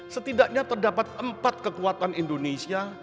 setidaknya terdapat empat kekuatan indonesia